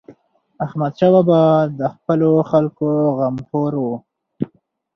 احمدشاه بابا د خپلو خلکو غمخور و.